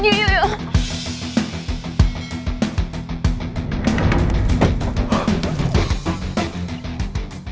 yuk yuk yuk